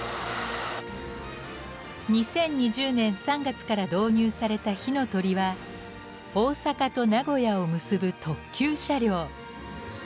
２０２０年３月から導入された「ひのとり」は大阪と名古屋を結ぶ特急車両。